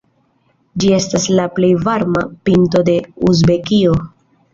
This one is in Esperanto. Ĝi estas la plej varma pinto de Uzbekio.